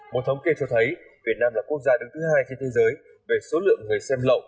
một thống kê cho thấy việt nam là quốc gia đứng thứ hai trên thế giới về số lượng người xem lậu